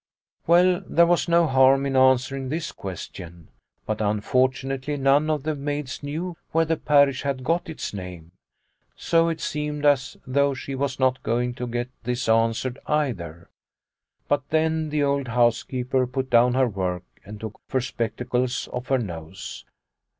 Well, there was no harm in answering this question, but, unfortunately, none of the maids knew where the parish had got its name. So it seemed as though she was not going to get The Black Lake 3 1 this answered either. But then the old house keeper put down her work and took her spec tacles off her nose.